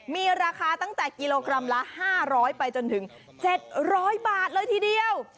มีราคาตั้งแต่กิโลกรัมละ๕๐๐ไปจนถึง๗๐๐บาทเลยทีเดียว